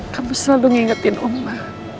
kamu selalu ngingetin mama